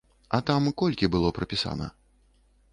А там колькі было прапісана?